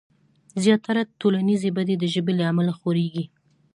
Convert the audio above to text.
زياتره ټولنيزې بدۍ د ژبې له امله خورېږي.